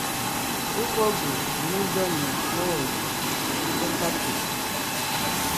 ɨfɨgɨ muidomo joide kue cachucha